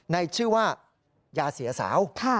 ในชื่อว่ายาเสียสาว